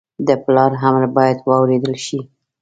د پلار امر باید واورېدل شي